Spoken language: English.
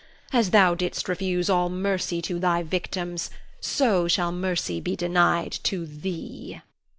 As thou didst refuse all mercy to thy victims, so shall mercy be denied to thee.